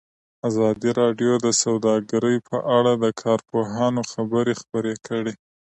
ازادي راډیو د سوداګري په اړه د کارپوهانو خبرې خپرې کړي.